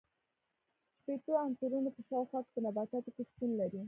شپیتو عنصرونو په شاوخوا کې په نباتاتو کې شتون لري.